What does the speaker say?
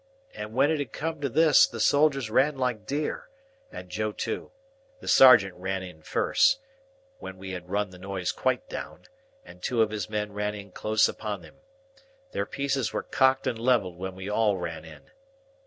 And when it had come to this, the soldiers ran like deer, and Joe too. The sergeant ran in first, when we had run the noise quite down, and two of his men ran in close upon him. Their pieces were cocked and levelled when we all ran in.